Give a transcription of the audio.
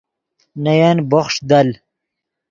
نے ین بوخݰ دل